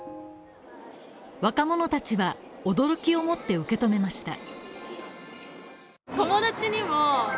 若者たちは、驚きをもって受け止めました。